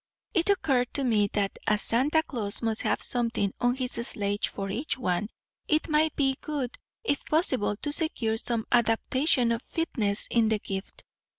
It occurred to me, that as Santa Claus must have something on his sledge for each one, it might be good, if possible, to secure some adaptation or fitness in the gift.